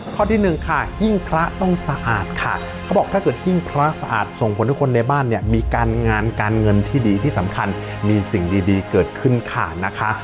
ข้อที่หนึ่งค่ะหิ้งพระต้องสะอาดค่ะเขาบอกถ้าเกิดหิ้งพระสะอาดส่งผลให้คนในบ้านเนี่ยมีการงานการเงินที่ดีที่สำคัญมีสิ่งดีเกิดขึ้นค่ะนะคะ